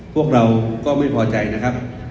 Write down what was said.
พวกเราก็ไม่พอใจนะครับ